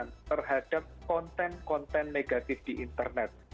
untuk menghasilkan konten konten negatif di internet